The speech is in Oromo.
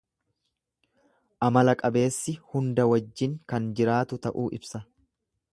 Amala qabeessi hunda wajjin kan jiraatu ta'uu ibsa.